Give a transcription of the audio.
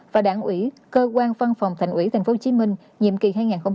và đảng ủy cơ quan phân phòng thành ủy tp hcm nhiệm kỳ hai nghìn một mươi năm hai nghìn hai mươi